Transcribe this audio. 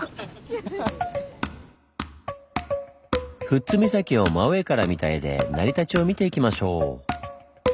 富津岬を真上から見た絵で成り立ちを見ていきましょう！